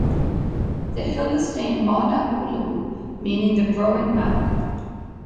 The hill is named "Mauna Ulu", meaning "the growing mountain".